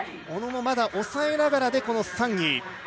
小野もまだ抑えながらで３位。